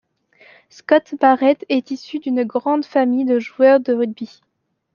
Scott Barrett est issu d'une grande famille de joueurs de rugby.